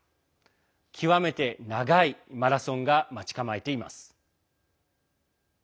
極めて長いマラソンが待ち構えています。